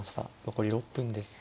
残り６分です。